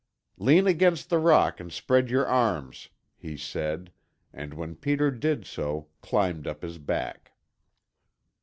"Lean against the rock and spread your arms," he said, and when Peter did so climbed up his back.